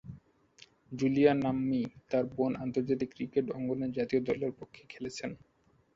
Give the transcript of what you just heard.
Julia নাম্নী তার বোন আন্তর্জাতিক ক্রিকেট অঙ্গনে জাতীয় দলের পক্ষে খেলছেন।